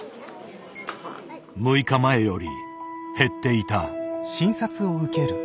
６日前より減っていた。